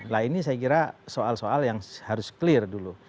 nah ini saya kira soal soal yang harus clear dulu